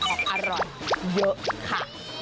ของอร่อยเยอะค่ะ